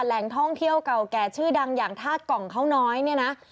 แหล่งท่องเที่ยวเก่าแก่ชื่อดังอย่างธาตุกล่องเขาน้อยเนี่ยนะ